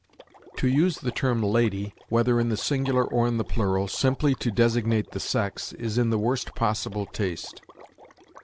To use the term lady, whether in the singular or in the plural, simply to designate the sex, is in the worst possible taste.